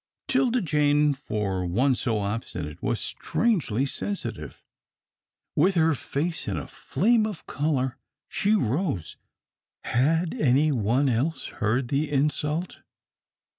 'Tilda Jane, for one so obstinate, was strangely sensitive. With her face in a flame of colour, she rose. Had any one else heard the insult?